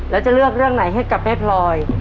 แล้วจะเลือกเรื่องไหนให้กับแม่พลอย